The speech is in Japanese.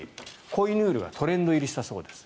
コイヌールがトレンド入りしたそうです。